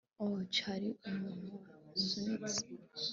ouch, hari umuntu wansunitse